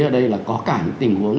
tất cả những tình huống